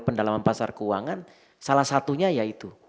pendalaman pasar keuangan salah satunya yaitu